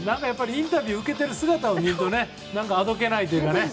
インタビューを受けている姿を見るとあどけないというかね。